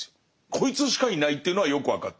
こいつしかいないっていうのはよく分かってる。